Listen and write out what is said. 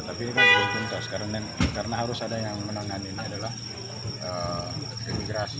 tapi ini kan beruntung karena harus ada yang menengan ini adalah demikrasi